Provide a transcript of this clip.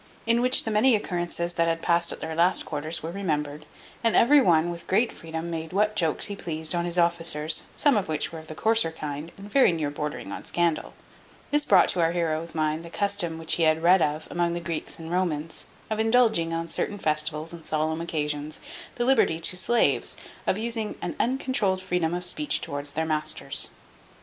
In which the many occurrences that had passed at their last quarters were remembered, and every one, with great freedom, made what jokes he pleased on his officers, some of which were of the coarser kind, and very near bordering on scandal. This brought to our heroe's mind the custom which he had read of among the Greeks and Romans, of indulging, on certain festivals and solemn occasions, the liberty to slaves, of using an uncontrouled freedom of speech towards their masters.